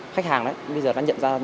khách hàng bây giờ đã nhận ra